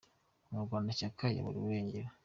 Umurwanashyaka yaburiwe irengero